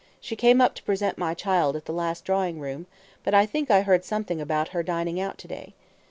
She came up to present my child at the last drawing room, but I think I heard something about her dining out to day.